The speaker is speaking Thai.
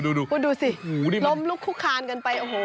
ดูดูสิล้มลุกคุกคานกันไปโอ้โฮ